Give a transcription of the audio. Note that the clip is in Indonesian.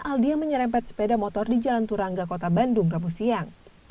aldia menyerempet sepeda motor di jalan turangga kota bandung rabu siang